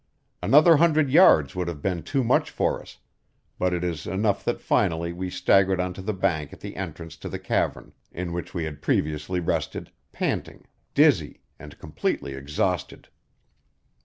Another hundred yards would have been too much for us; but it is enough that finally we staggered onto the bank at the entrance to the cavern in which we had previously rested, panting, dizzy, and completely exhausted.